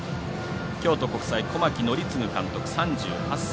京都国際、小牧憲継監督、３８歳。